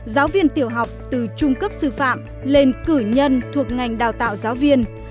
giáo viên tiểu học từ trung cấp sư phạm lên cử nhân thuộc ngành đào tạo giáo viên